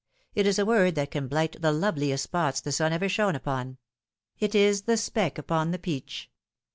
It is a word that can blight the loveliest spots the sun ever shone upon. It is the speck upon the peach.